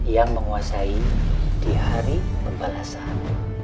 yang menguasai di hari pembalasan